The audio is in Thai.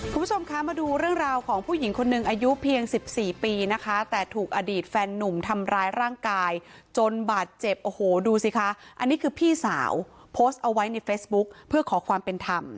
คุณผู้ชมคะมาดูเรื่องราวของผู้หญิงคนหนึ่งอายุเพียง๑๔ปีนะคะแต่ถูกอดีตแฟนหนุ่มทำร้ายร่างกายจนบาดเจ็บโอ้โหดูสิคะอันนี้คือพี่สาวโพสต์เอาไว้ในเฟซบุ๊คเพื่อขอความเป็นธรรม